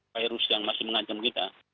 virus yang masih mengancam kita